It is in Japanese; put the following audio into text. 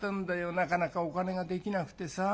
なかなかお金ができなくてさ。